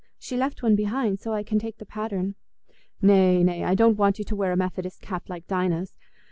She left one behind, so I can take the pattern." "Nay, nay, I don't want you to wear a Methodist cap like Dinah's.